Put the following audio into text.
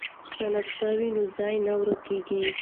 که نقشه وي نو ځای نه ورکېږي.